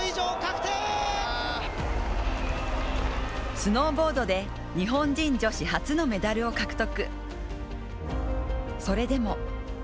スノーボードで日本人女子初のメダルを獲得。